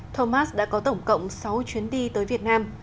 thomas đã có tổng cộng sáu chuyến đi tới việt nam